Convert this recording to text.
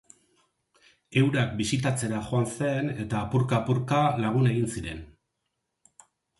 Eurak bisitatzera joan zen eta apurka-apurka lagun egin ziren.